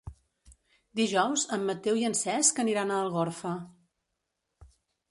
Dijous en Mateu i en Cesc aniran a Algorfa.